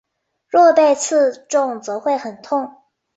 若被刺中则会很痛。